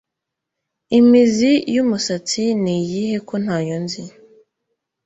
imizi y'umusatsi niyihe ko ntayo nzi